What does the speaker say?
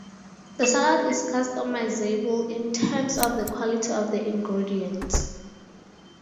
The salad is customizable in terms of the quality of the ingredients.